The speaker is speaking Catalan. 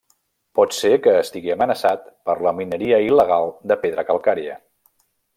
Pot ser que estigui amenaçat per la mineria il·legal de pedra calcària.